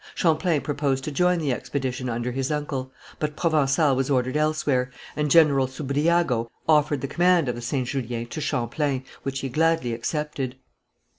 Champlain proposed to join the expedition under his uncle, but Provençal was ordered elsewhere, and General Soubriago offered the command of the Saint Julien to Champlain, which he gladly accepted.